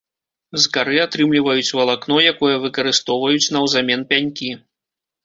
З кары атрымліваюць валакно, якое выкарыстоўваюць наўзамен пянькі.